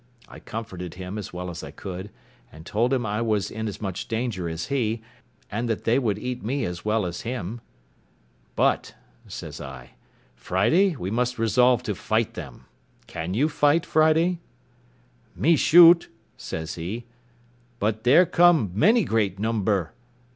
I comforted him as well as I could, and told him I was in as much danger as he, and that they would eat me as well as him. "But," says I, "Friday, we must resolve to fight them. Can you fight, Friday?" "Me shoot," says he, "but there come many great number."